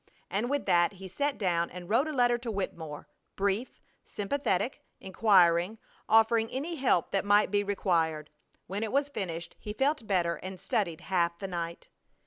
And with that he sat down and wrote a letter to Wittemore, brief, sympathetic, inquiring, offering any help that might be required. When it was finished he felt better and studied half the night.